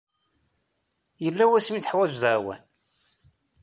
Yella wasmi ay teḥwajeḍ aɛawen?